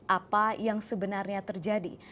apa yang sebenarnya terjadi